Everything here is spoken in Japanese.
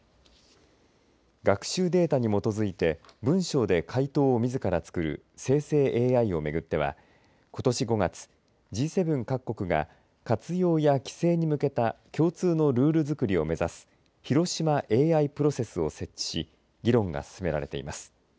学習データに基づいて文章で回答をみずから作る生成ＡＩを巡ってはことし５月、Ｇ７各国が活用や規制に向けた共通のルール作りを目指す広島ＡＩプロセスを設置し議論が進められています。